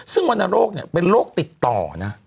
ซึ่งวรรณโรคเนี่ยเป็นโรคติดต่อนะ